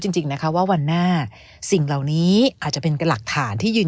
จริงจริงนะคะว่าวันหน้าสิ่งเหล่านี้อาจจะเป็นหลักฐานที่ยืน